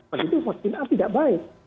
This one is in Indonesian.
waktu itu vaksin a tidak baik